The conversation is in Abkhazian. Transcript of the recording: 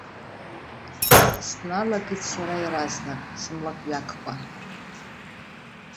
Сналагеит сара иаразнак, сымлакҩаккәа.